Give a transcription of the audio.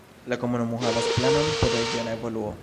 La komunumo havas planon por regiona evoluo.